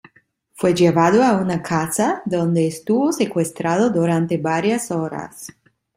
Fue llevado a una casa, donde estuvo secuestrado durante varias horas.